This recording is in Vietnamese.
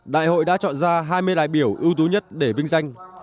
đại hội đã chọn ra hai mươi đại biểu ưu tú nhất để vinh danh